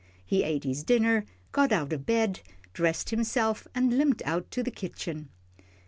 He ate his dinner, got out of bed, dressed himself, and limped out to the kitchen.